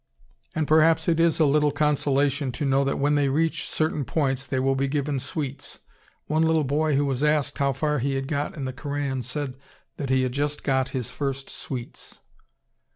And perhaps it is a little consolation to know that when they reach certain points they will be given sweets. One little boy who was asked how far he had got in the Koran, said that he had just got his first sweets.